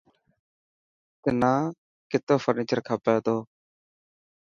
تنا ڪتو فرنيچر کپي تو.